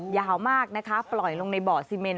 ยาวมากนะคะปล่อยลงในบ่อซีเมน